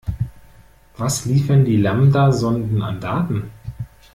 Was liefern die Lambda-Sonden an Daten?